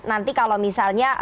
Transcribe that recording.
nanti kalau misalnya